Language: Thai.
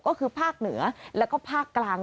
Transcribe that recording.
ก็คือภาคเหนือแล้วก็ภาคกลาง